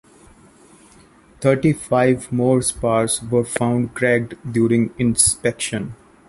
Thirty-five more spars were found cracked during inspections.